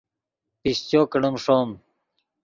پیشچو کڑیم ݰوم